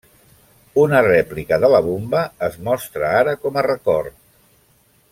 Una rèplica de la bomba es mostra ara com a record.